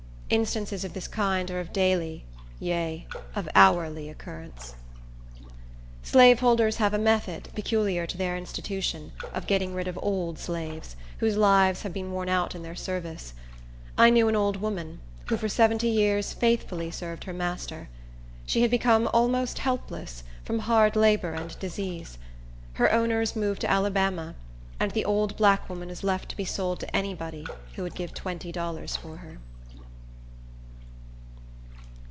Instances of this kind are of daily, yea, of hourly occurrence. Slaveholders have a method, peculiar to their institution, of getting rid of old slaves, whose lives have been worn out in their service. I knew an old woman, who for seventy years faithfully served her master. She had become almost helpless, from hard labor and disease. Her owners moved to Alabama, and the old black woman was left to be sold to any body who would give twenty dollars for her.